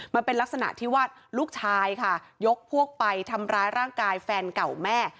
มันเป็นลักษณะที่ว่าลูกชายค่ะยกพวกไปทำร้ายร่างกายแฟนเก่าแม่